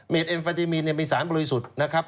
เม็ดเอ็มฟาติมีนเป็นสารบริสุทธิ์นะครับ